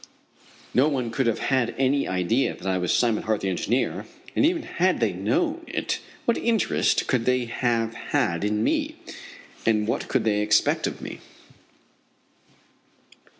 No one could have had any idea that I was Simon Hart, the engineer, and even had they known it what interest could they have had in me, and what could they expect of me?